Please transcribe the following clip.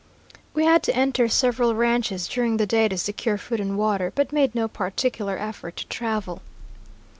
We had to enter several ranches during the day to secure food and water, but made no particular effort to travel.